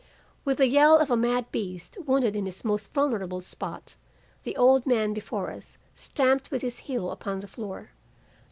"With the yell of a mad beast wounded in his most vulnerable spot, the old man before us stamped with his heel upon the floor.